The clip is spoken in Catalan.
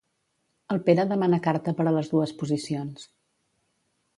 El Pere demana carta per a les dues posicions.